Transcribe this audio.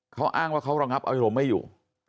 เขาอ้างว่าเขาระงับอารมณ์ไม่อยู่